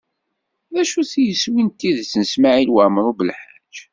D acu-t yeswi n tidet n Smawil Waɛmaṛ U Belḥaǧ?